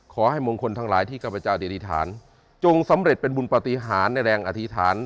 ขอให้มงคลทั้งหลายที่ข้าพเจ้าดิษฐานจงสำเร็จเป็นบุญปฏิหารในแรงอธิษฐาน